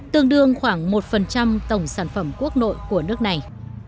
tương đương khoảng một tổng sản phẩm quốc nội của nước này